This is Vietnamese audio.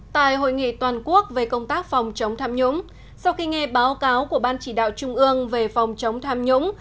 tại hội nghị toàn quốc về công tác phòng chống tham nhũng sau khi nghe báo cáo của ban chỉ đạo trung ương về phòng chống tham nhũng